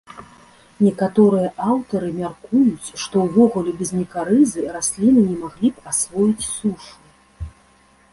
Некаторыя аўтары мяркуюць, што ўвогуле без мікарызы расліны не маглі б асвоіць сушу.